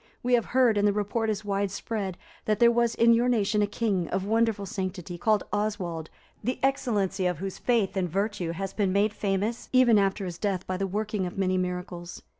We have heard, and the report is widespread, that there was in your nation a king, of wonderful sanctity, called Oswald, the excellency of whose faith and virtue has been made famous even after his death by the working of many miracles.